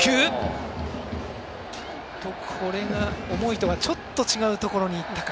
これが思いとはちょっと違うところにいったか。